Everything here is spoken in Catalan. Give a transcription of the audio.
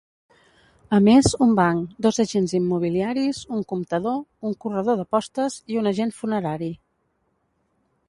A més, un banc, dos agents immobiliaris, un comptador, un corredor d'apostes i un agent funerari.